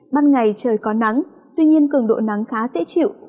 ban ngày trời có nắng tuy nhiên cường độ nắng khá dễ chịu